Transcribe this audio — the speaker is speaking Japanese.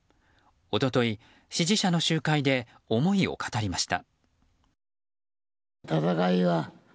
一昨日、支持者の集会で思いを語りました。